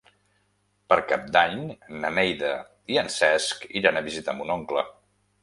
Per Cap d'Any na Neida i en Cesc iran a visitar mon oncle.